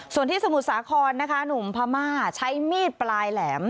ส่วนที่สมุทรสาครนะคะหนุ่มพม่าใช้มีดปลายแหลม